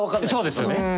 そうですよね。